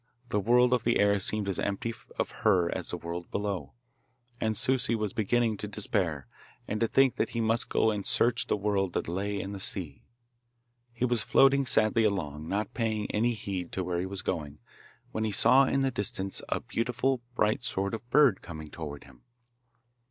the world of the air seemed as empty of her as the world below, and Souci was beginning to despair, and to think that he must go and search the world that lay in the sea. He was floating sadly along, not paying any heed to where he was going, when he saw in the distance a beautiful, bright sort of bird coming towards him.